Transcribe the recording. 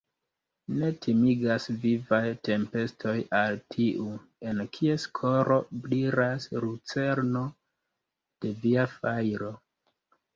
Ne timigas vivaj tempestoj al tiu, en kies koro brilas lucerno de Via fajro.